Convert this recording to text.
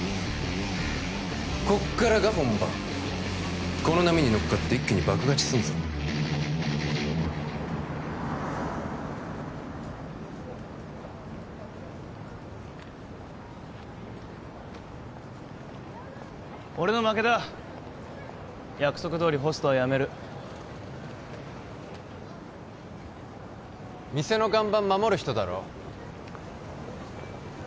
こっからが本番この波に乗っかって一気に爆勝ちすんぞ俺の負けだ約束どおりホストはやめる店の看板守る人だろ？